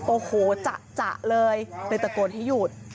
โอ้โหจะเลยเลยตะโกนให้หยุด